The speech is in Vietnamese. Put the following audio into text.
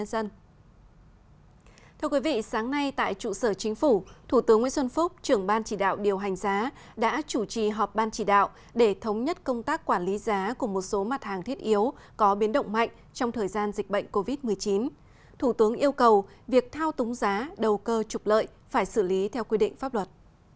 trong thời gian dịch bệnh covid một mươi chín thủ tướng nguyễn xuân phúc trưởng ban chỉ đạo điều hành giá đã chủ trì họp ban chỉ đạo để thống nhất công tác quản lý giá của một số mặt hàng thiết yếu có biến động mạnh trong thời gian dịch bệnh covid một mươi chín thủ tướng yêu cầu việc thao túng giá đầu cơ trục lợi phải xử lý theo quy định pháp luật